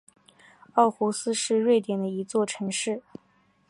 奥胡斯是瑞典的一座城市。